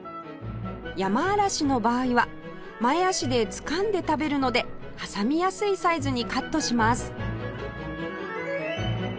ヤマアラシの場合は前足でつかんで食べるので挟みやすいサイズにカットします